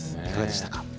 いかがでしたか。